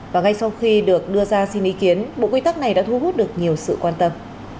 và ngay sau khi được đưa ra xin ý kiến bộ quy tắc này đã thu hút được nhiều sự quan tâm